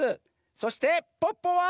そしてポッポは？